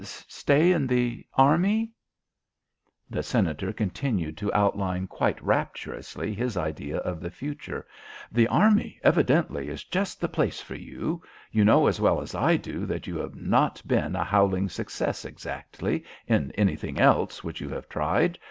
"Stay in the Army?" The Senator continued to outline quite rapturously his idea of the future. "The Army, evidently, is just the place for you. You know as well as I do that you have not been a howling success, exactly, in anything else which you have tried.